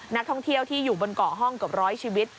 นักท่องเที่ยวที่อยู่บนเกาะห้องเกือบร้อยชีวิต